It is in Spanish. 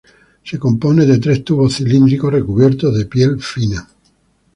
Se compone de tres tubos cilíndricos recubiertos de piel fina.